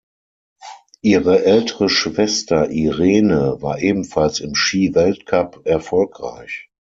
Ihre ältere Schwester Irene war ebenfalls im Skiweltcup erfolgreich.